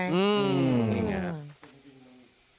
อืมนี่ไงครับ